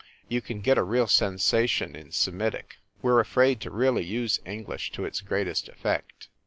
You can get a real sensation in Semetic we re afraid to really use English to its greatest ef fect.